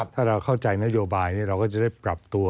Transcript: ถ้าเราเข้าใจนโยบายเราก็จะได้ปรับตัว